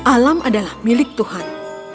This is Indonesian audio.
alam adalah milik tuhan